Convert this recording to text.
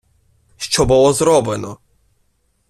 Що було зроблено?